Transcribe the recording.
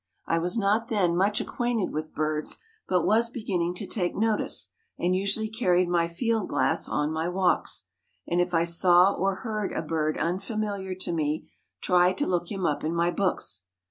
I was not then much acquainted with birds, but was beginning to "take notice" and usually carried my field glass on my walks, and if I saw or heard a bird unfamiliar to me, tried to look him up in my books.